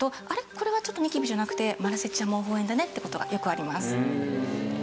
これはニキビじゃなくてマラセチア毛包炎だねって事がよくあります。